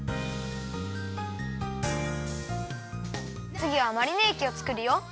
つぎはマリネえきをつくるよ。